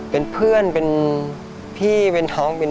เป็นเพื่อนเป็นพี่เป็นท้องเป็น